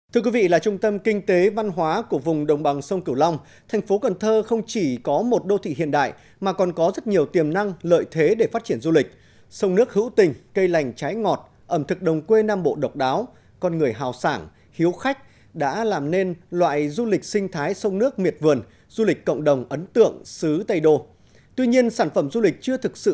thưa quý vị là trung tâm kinh tế văn hóa của vùng đồng bằng sông cửu long thành phố cần thơ không chỉ có một đô thị hiện đại mà còn có rất nhiều tiềm năng lợi thế để phát triển du lịch